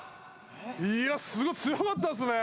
いやすごい強かったですね